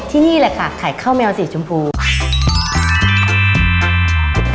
นี่แหละค่ะขายข้าวแมวสีชมพู